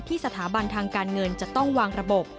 สถาบันทางการเงินจะต้องวางระบบ